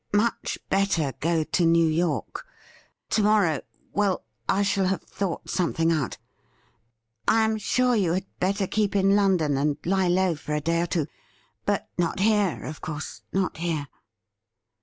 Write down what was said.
Much better go to New York. To mon"ow — well, I shall have thought something out. I am sure you had better keep in London and lie low for a day or two, but not here, of course — ^not here.